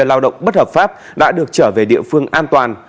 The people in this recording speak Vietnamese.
lao động bất hợp pháp đã được trở về địa phương an toàn